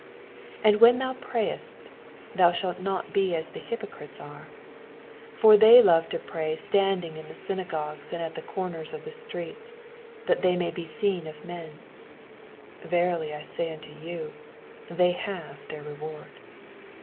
5 And when thou prayest, thou Bhalt not be as the hypocrites are : for they love to pray standing in the synagogues ana in the comers of th« streets, that they may be seen of men. Verily I say unto you, They have their reward.